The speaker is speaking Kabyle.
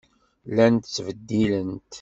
Llant ttbeddilent.